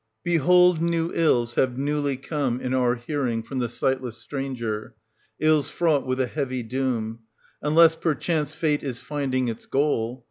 Behold, new ills have newly come, in our s^^ ^' hearing, from the sightless stranger, — ills fraught with 1450 a heavy doom ; unless, perchance. Fate is finding its goal.